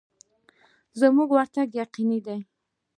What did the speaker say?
زموږ ورتګ یقیني دی.